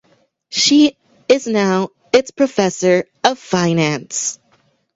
She is now its professor of finance.